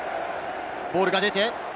ボールが出て。